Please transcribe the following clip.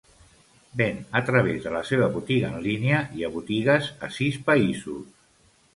Ven a través de la seva botiga en línia i a botigues a sis països.